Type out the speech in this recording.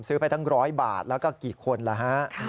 ไปตั้ง๑๐๐บาทแล้วก็กี่คนละฮะ